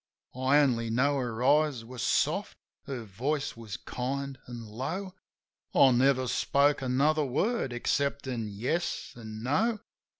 I only know her eyes were soft, her voice was kind an' low. I never spoke another word exceptin' "Yes" an' "No."